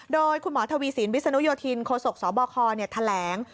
โดยคุณหมอทวีสินวิศนุโยธินโคศกสบคแถลง